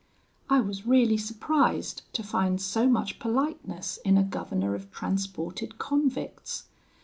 I was really surprised to find so much politeness in a governor of transported convicts.